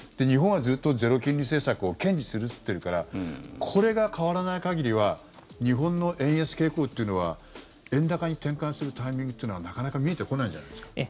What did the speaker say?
日本は、ずっとゼロ金利政策を堅持するといってるからこれが変わらない限りは日本の円安傾向っていうのは円高に転換するタイミングっていうのはなかなか見えてこないんじゃないですか。